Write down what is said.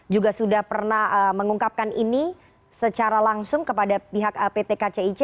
juga sudah pernah mengungkapkan ini secara langsung kepada pihak pt kcic